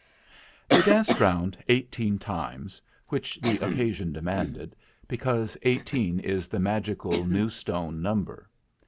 " They danced round eighteen times, which the occasion demanded, because eighteen is the magical New Stone number.